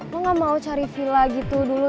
gue gak mau cari villa gitu dulu